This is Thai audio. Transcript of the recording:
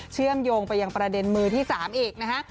เชื่อมโยงไปยังประเด็นมือที่๓อีกนะฮะ